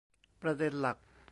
ประเด็นหลัก